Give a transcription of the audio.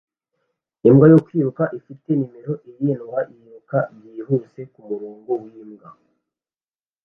Imbwa yo kwiruka ifite numero irindwi yiruka byihuse kumurongo wimbwa